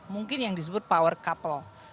mungkin yang disebut power couple